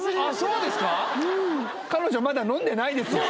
うん彼女まだ飲んでないですよ